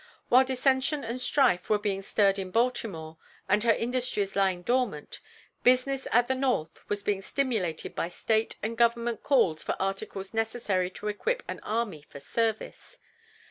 While dissension and strife were being stirred in Baltimore and her industries lying dormant, business at the North was being stimulated by State and Government calls for articles necessary to equip an army for service.